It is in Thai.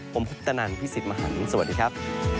ผมพุทธนันพี่สิทธิ์มหันฯสวัสดีครับ